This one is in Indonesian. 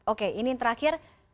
oke ini yang terakhir